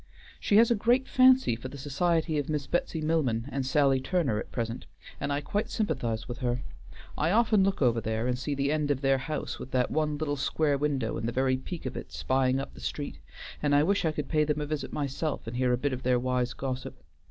She has a great fancy for the society of Miss Betsy Milman and Sally Turner at present, and I quite sympathize with her. I often look over there and see the end of their house with that one little square window in the very peak of it spying up the street, and wish I could pay them a visit myself and hear a bit of their wise gossip.